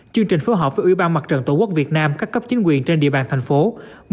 chương trình phối hợp với ubnd tổ quốc việt nam các cấp chính quyền trên địa bàn tp hcm